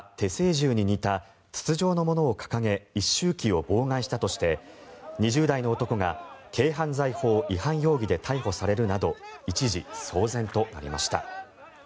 銃に似た筒状のものを掲げ一周忌を妨害したとして２０代の男が軽犯罪法違反容疑で逮捕されるなど一時、騒然となりました。